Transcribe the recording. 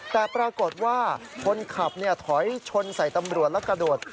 แต่ปรากฏว่าคนขับถอยชนใส่ตำรวจแล้วกระโดด